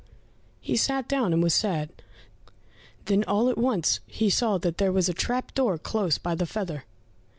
He sat down and was sad, then all at once he saw that there was a trap door close by the feather.